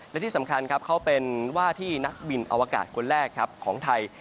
และที่สำคัญเค้าเป็นว่าที่นักบินอวกาศคนแรกของไทย